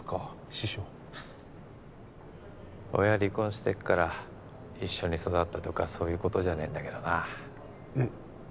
師匠親離婚してっから一緒に育ったとかそういうことじゃねえんだけどなえっ